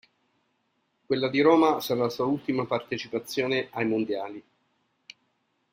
Quella di Roma sarà la sua ultima partecipazione ai Mondiali.